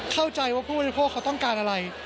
เข้าใจว่าผู้บริโภคเขาต้องการอะไร